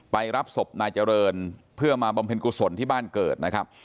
รับศพนายเจริญเพื่อมาบำเพ็ญกุศลที่บ้านเกิดนะครับ